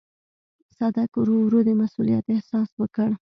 صدک ورو ورو د مسووليت احساس وکړ.